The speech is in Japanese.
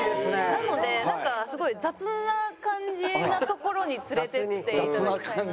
なのでなんかすごい雑な感じな所に連れていって頂きたいなと。